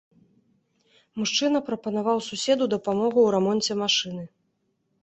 Мужчына прапанаваў суседу дапамогу ў рамонце машыны.